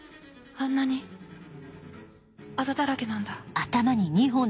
あんなにアザだらけなんだ。